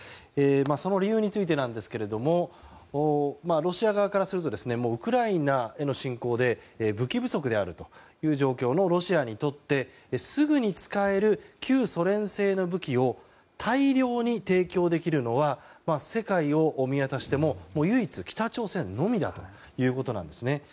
その理由についてですがロシア側からするとウクライナへの侵攻で武器不足であるという状況のロシアにとってすぐ使える旧ソ連製の武器を大量に提供できるのは世界を見渡しても唯一、北朝鮮のみだということです。